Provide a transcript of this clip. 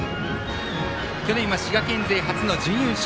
去年は滋賀県勢初の準優勝。